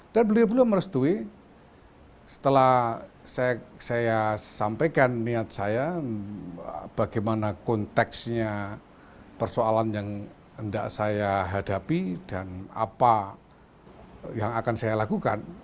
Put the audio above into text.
dan beliau belum merestui setelah saya sampaikan niat saya bagaimana konteksnya persoalan yang hendak saya hadapi dan apa yang akan saya lakukan